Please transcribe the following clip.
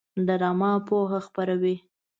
ډرامه پوهه خپروي